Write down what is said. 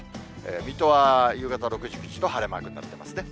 水戸は夕方６時に一度晴れマークになってますね。